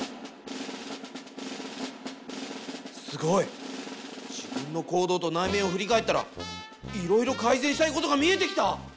すごい！自分の行動と内面を振り返ったらいろいろ改善したいことが見えてきた！